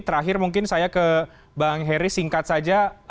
terakhir mungkin saya ke bang heri singkat saja